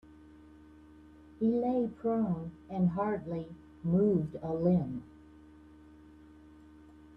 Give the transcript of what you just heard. He lay prone and hardly moved a limb.